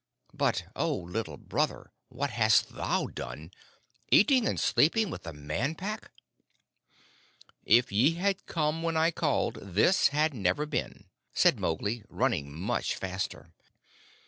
But, O Little Brother, what hast thou done, eating and sleeping with the Man Pack?" "If ye had come when I called, this had never been," said Mowgli, running much faster.